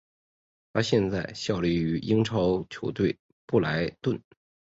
他现在效力于英超球队布莱顿。